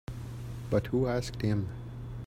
But who asked him?